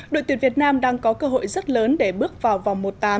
đội tuyển việt nam đang có cơ hội rất lớn để bước vào vòng một tám